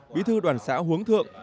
bí thư đoàn xã huống thượng